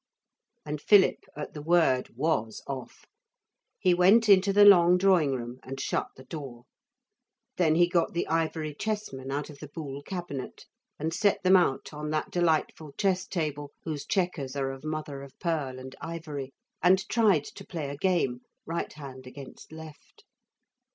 And Philip, at the word, was off. He went into the long drawing room, and shut the door. Then he got the ivory chessmen out of the Buhl cabinet, and set them out on that delightful chess table whose chequers are of mother of pearl and ivory, and tried to play a game, right hand against left.